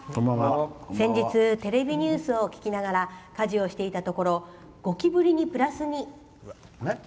先日テレビニュースを聞きながら家事をしていたところゴキブリにプラスに。